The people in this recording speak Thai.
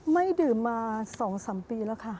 ไม่ดื่มมา๒๓ปีแล้วค่ะ